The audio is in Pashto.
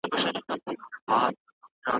ولي کوښښ کوونکی د ذهین سړي په پرتله برخلیک بدلوي؟